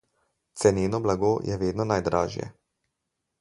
Ceneno blago je vedno najdražje.